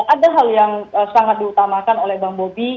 ada hal yang sangat diutamakan oleh bang bobi